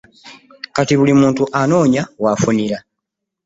Kati buli muntu anoonya w'afunira.